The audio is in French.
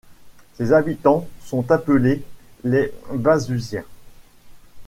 Ses habitants sont appelés les Bazusiens.